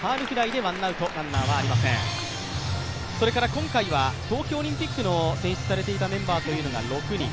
今回は東京オリンピック選出されていたメンバーが６人。